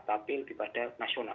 tapi lebih pada nasional